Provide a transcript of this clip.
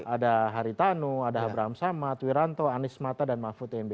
ada haritanu ada abramsa mat wiranto anies mata dan mahfud mb